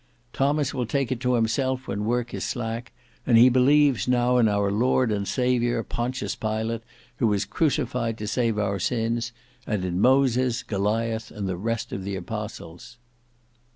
Thomas will take to it himself when work is slack; and he believes now in our Lord and Saviour Pontius Pilate who was crucified to save our sins; and in Moses, Goliath, and the rest of the Apostles."